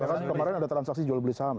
kemarin ada transaksi jual beli saham ya